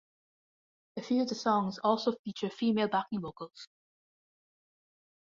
A few of the songs also feature female backing vocals.